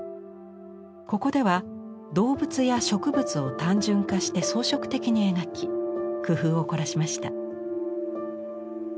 ここでは動物や植物を単純化して装飾的に描き工夫を凝らしました。